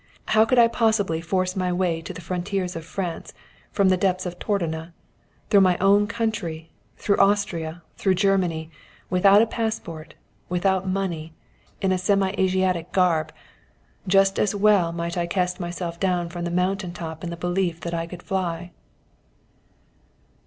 "How could I possibly force my way to the frontiers of France from the depths of Tordona, through my own country, through Austria, through Germany, without a passport, without money, in a semi Asiatic garb? Just as well might I cast myself down from the mountain top in the belief that I could fly."